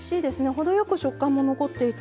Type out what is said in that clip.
程よく食感も残っていて。